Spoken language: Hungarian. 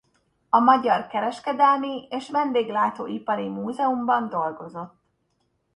A Magyar Kereskedelmi és Vendéglátóipari Múzeumban dolgozott.